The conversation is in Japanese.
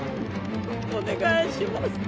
お願いします